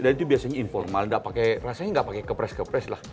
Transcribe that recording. dan itu biasanya informal rasanya nggak pakai kepres kepres lah